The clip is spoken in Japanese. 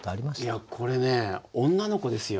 いやこれね女の子ですよ。